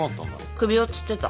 首をつってた。